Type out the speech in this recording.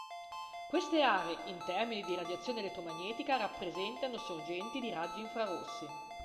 Queste aree, in termini di radiazione elettromagnetica, rappresentano sorgenti di raggi infrarossi.